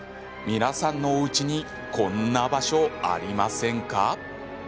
皆さんのおうちにこんな場所、ありませんか？